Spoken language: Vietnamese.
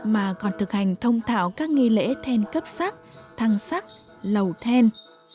mà còn thực hành thông thạo các nghỉ lễ then cấp sắc thăng sắc lầu then